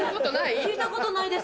聞いたことないです。